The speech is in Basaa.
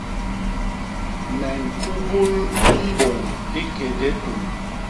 Me ñkubul mbôñ i kédé tuñ.